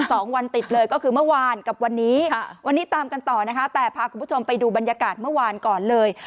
สองวันติดเลยก็คือเมื่อวานกับวันนี้ค่ะวันนี้ตามกันต่อนะคะแต่พาคุณผู้ชมไปดูบรรยากาศเมื่อวานก่อนเลย